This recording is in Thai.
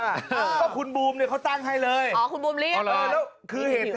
ก็คุณบูมเนี่ยเขาตั้งให้เลยอ๋อคุณบูมเรียกเออแล้วคือเหตุผล